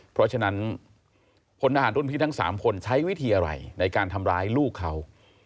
เพราะฉะนั้นพลทหารรุ่นพี่ทั้ง๓คนใช้วิธีอะไรในการทำร้ายลูกเขา